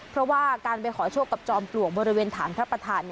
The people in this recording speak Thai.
เพราะว่าการไปขอโชคกับจอมปลวกบริเวณฐานพระประธาน